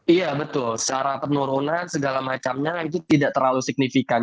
iya betul secara penurunan segala macamnya itu tidak terlalu signifikan